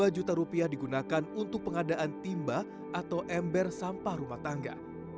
dua puluh juta rupiah digunakan untuk pengadaan timba atau ember sampah rumah tangga